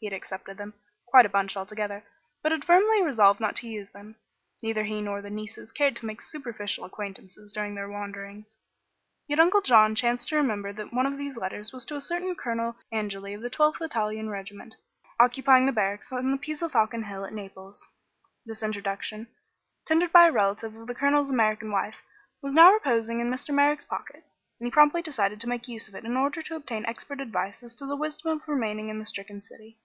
He had accepted them quite a bunch, altogether but had firmly resolved not to use them. Neither he nor the nieces cared to make superficial acquaintances during their wanderings. Yet Uncle John chanced to remember that one of these letters was to a certain Colonel Angeli of the Twelfth Italian Regiment, occupying the barracks on the Pizzofalcone hill at Naples. This introduction, tendered by a relative of the Colonel's American wife, was now reposing in Mr. Merrick's pocket, and he promptly decided to make use of it in order to obtain expert advice as to the wisdom of remaining in the stricken city.